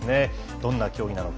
どんな競技なのか。